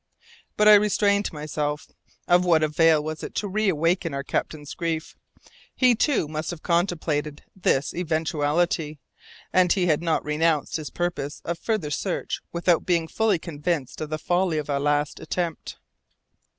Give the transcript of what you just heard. But I restrained myself. Of what avail was it to reawaken our captain's grief? He, too, must have contemplated this eventuality, and he had not renounced his purpose of further search without being fully convinced of the folly of a last attempt.